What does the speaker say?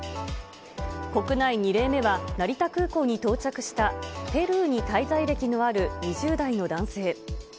国内２例目は、成田空港に到着したペルーに滞在歴のある２０代の男性。